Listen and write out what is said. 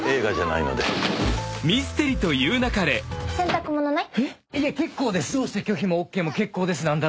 「洗濯物ない？」